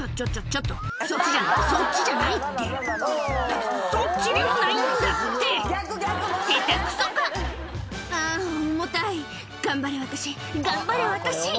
ちょっとそっちじゃないそっちじゃないってそそっちでもないんだってヘタくそか⁉「あぁ重たい頑張れ私頑張れ私」